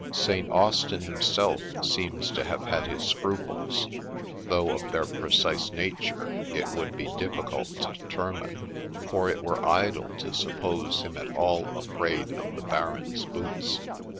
St. Austin himself seems to have had his scruples, though of their precise nature it would be difficult to determine, for it were idle to suppose him at all afraid of the Baron's boots.